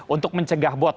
untuk mencegah bot